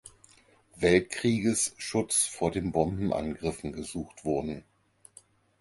Weltkrieges Schutz vor den Bombenangriffen gesucht wurde.